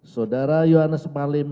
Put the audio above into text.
saudara yohanes marlin